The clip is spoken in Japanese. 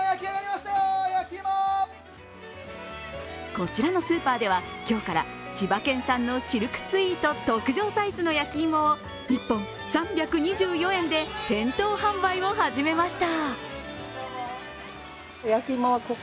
こちらのスーパーでは、今日から千葉県産のシルクスイート特上サイズの焼き芋を１本３２４円で店頭販売を始めました。